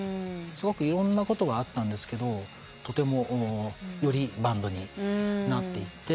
すごくいろんなことがあったんですけどとてもよりバンドになっていって。